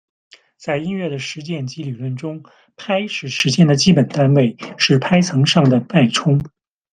在音乐的实践及理论中，拍是时间的基本单位，是拍层上的脉冲。